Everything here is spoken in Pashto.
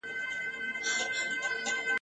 طبیب وویل چي روغه سوې پوهېږم ..